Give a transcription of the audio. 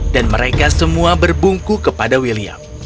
dan mereka semua berbungku kepada william